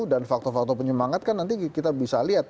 dan faktor faktor penyemangat kan nanti kita bisa lihat